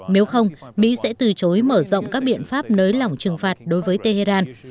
nếu không mỹ sẽ từ chối mở rộng các biện pháp nới lỏng trừng phạt đối với tehran